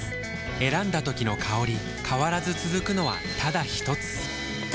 選んだ時の香り変わらず続くのはただひとつ？